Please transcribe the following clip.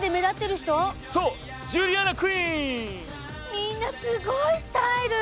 みんなすごいスタイル！